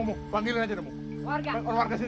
lu pengen bukti